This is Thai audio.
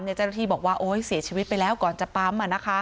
เจ้าหน้าที่บอกว่าโอ๊ยเสียชีวิตไปแล้วก่อนจะปั๊ม